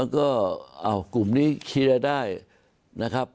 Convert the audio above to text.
ก็กลุ่มนี้เคลียร์ได้นะครับ